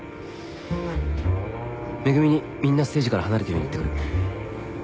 恵美にみんなステージから離れてるように言ってくる。